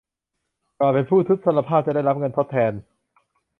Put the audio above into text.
ก่อนเป็นผู้ทุพพลภาพ จะได้รับเงินทดแทน